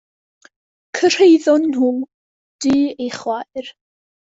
Cyrhaeddon nhw dŷ ei chwaer.